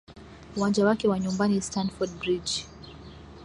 uwanja wake wa nyumbani stanford bridge